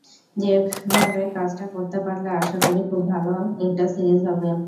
সেভাবে কাজটা করতে পারলে আশা করি, খুব ভালো একটা সিরিজ হবে।